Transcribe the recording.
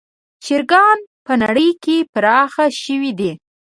چرګان په نړۍ کې پراخ شوي دي.